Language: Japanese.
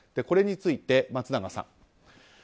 これについて、松永さん。